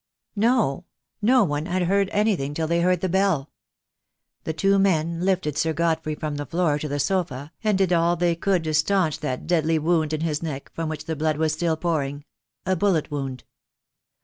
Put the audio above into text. No, no one had heard anything till they heard the bell. The two men lifted Sir Godfrey from the floor to the sofa, and did all they could do to staunch that deadly wound in his neck, from which the blood was still pouring — a bullet wound.